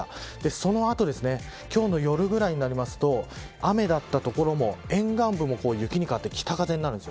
その後、今日の夜ぐらいになると雨だった所も沿岸部も雪に変わって北風になるんです。